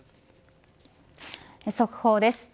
速報です。